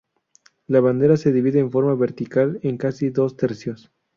La bandera se divide en forma vertical en casi dos tercios.